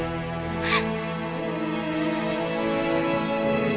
あっ！